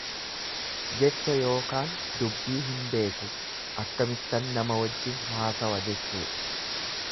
Jecha ykn dubbii hin beeku akkamittan nama wajjin haasawa jechuudha.